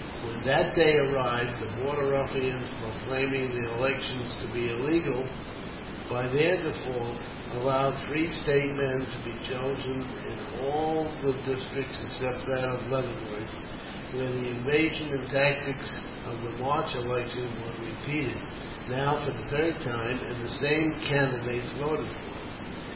When that day arrived, the Border Ruffians, proclaiming the election to be illegal, by their default allowed free State men to be chosen in all the districts except that of Leavenworth, where the invasion and tactics of the March election were repeated now for the third time and the same candidates voted for.